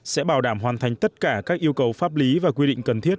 sẽ bảo đảm hoàn thành tất cả các yêu cầu pháp lý và quy định cần thiết